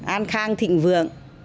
ăn khang thịnh vượng